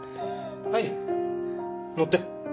はい乗って。